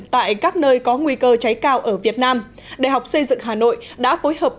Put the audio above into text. tại các nơi có nguy cơ cháy cao ở việt nam đại học xây dựng hà nội đã phối hợp